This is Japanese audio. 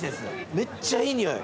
めっちゃいいにおい。